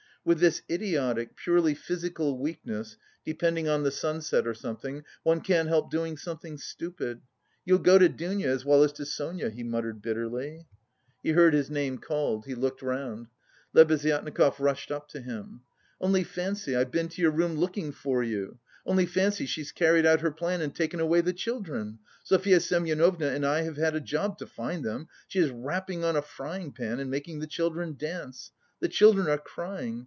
"With this idiotic, purely physical weakness, depending on the sunset or something, one can't help doing something stupid! You'll go to Dounia, as well as to Sonia," he muttered bitterly. He heard his name called. He looked round. Lebeziatnikov rushed up to him. "Only fancy, I've been to your room looking for you. Only fancy, she's carried out her plan, and taken away the children. Sofya Semyonovna and I have had a job to find them. She is rapping on a frying pan and making the children dance. The children are crying.